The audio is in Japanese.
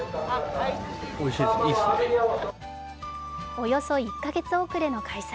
およそ１か月遅れの開催。